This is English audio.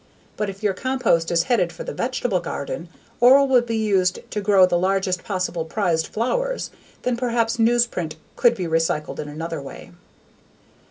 But if your compost is headed for the vegetable garden or will be used to grow the largest possible prized flowers then perhaps newsprint could be recycled in another way.